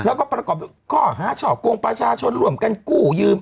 แล้วก็ประกอบข้อหาช่อกงประชาชนร่วมกันกู้ยืม